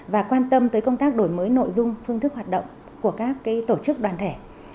và quan tâm tới công tác đổi mới nội dung phương thức hoạt động của các tổ chức đoàn thể